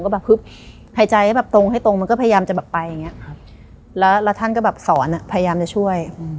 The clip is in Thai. แบบฮึบหายใจก็แบบตรงให้ตรงมันก็พยายามจะแบบไปอย่างนี้แล้วท่านก็แบบสอนพยายามจะช่วย